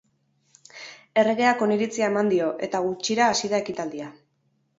Erregeak oniritzia eman dio, eta gutxira hasi da ekitaldia.